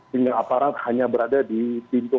sehingga aparat hanya berada di pintu